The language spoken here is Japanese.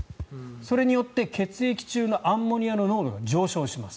それによって血液中のアンモニアの濃度が上昇します。